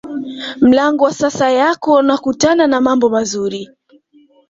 mlango wa sasa yako unakutana na mambo mazuri